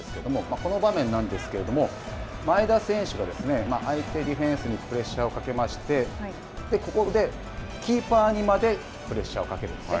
この場面なんですけれども、前田選手が相手ディフェンスにプレッシャーをかけまして、ここでキーパーにまでプレッシャーをかけるんですね。